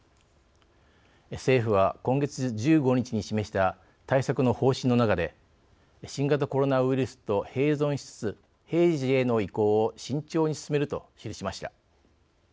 政府は、今月１５日に示した対策の方針の中で「新型コロナウイルスと併存しつつ平時への移行を慎重に進める」と記しました。